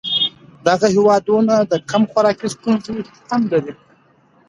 دغه هېوادونه د کم خوراکۍ ستونزه هم لري.